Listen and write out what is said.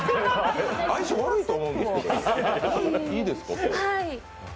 相性悪いと思うんですけど、いいですか？